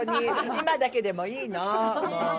今だけでもいいの。